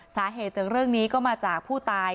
สาเหตุจากเรื่องนี้ก็มาจากผู้ตาย